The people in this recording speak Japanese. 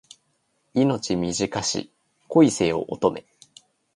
命短し恋せよ乙女